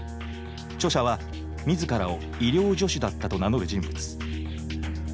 著者は自らを「医療助手だった」と名乗る人物。